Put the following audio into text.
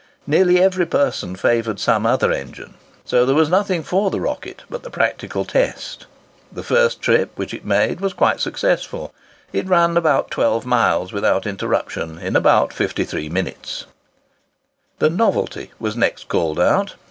Nearly every person favoured some other engine, so that there was nothing for the "Rocket" but the practical test. The first trip which it made was quite successful. It ran about 12 miles, without interruption, in about 53 minutes. The "Novelty" was next called out.